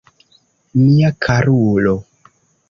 Mia karulo!